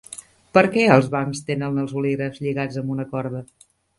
Per què als bancs tenen els bolígrafs lligats amb una corda?